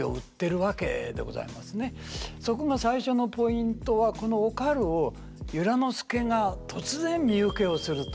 そこが最初のポイントはこのおかるを由良之助が突然身請けをすると言いだすわけでございますね。